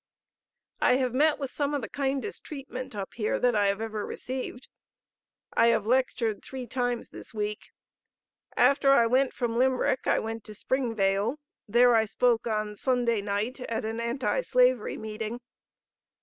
I have met with some of the kindest treatment up here that I have ever received.... I have lectured three times this week. After I went from Limerick, I went to Springvale; there I spoke on Sunday night at an Anti Slavery meeting.